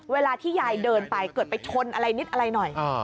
เวลาที่ยายเดินไปเกิดไปชนอะไรนิดอะไรหน่อย